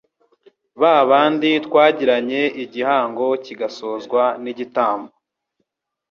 ba bandi twagiranye igihango kigasozwa n’igitambo»